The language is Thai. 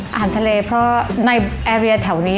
อาหารทะเลเพราะว่าในบริการยานแถวนี้